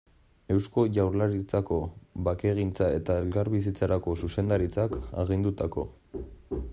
Eusko Jaurlaritzako Bakegintza eta Elkarbizitzarako Zuzendaritzak agindutako.